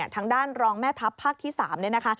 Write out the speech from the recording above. ทางด้านรองแม่ทัพภาคที่๓เนี่ยนะคะ